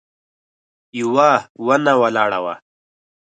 يوه ونه ولاړه وه.